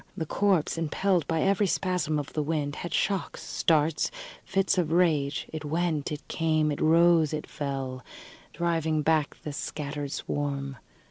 The corpse, impelled by every spasm of the wind, had shocks, starts, fits of rage: it went, it came, it rose, it fell, driving back the scattered swarm.